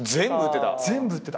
全部打ってた。